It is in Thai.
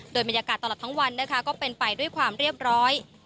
โดยบรรยากาศตลอดทั้งวันนะคะก็เป็นไปด้วยความเรียบร้อย